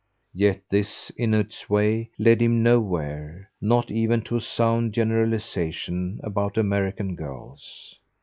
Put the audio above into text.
Yet this, in its way, led him nowhere; not even to a sound generalisation about American girls.